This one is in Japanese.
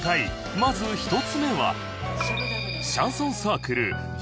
まず１つ目は